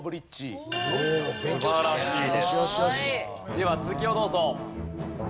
では続きをどうぞ。